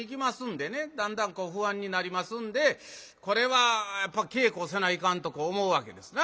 だんだんこう不安になりますんでこれはやっぱ稽古せないかんとこう思うわけですな。